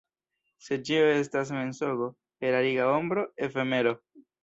Se ĉio estas mensogo, erariga ombro, efemero.